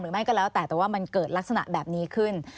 ไม่ก็แล้วแต่แต่ว่ามันเกิดลักษณะแบบนี้ขึ้น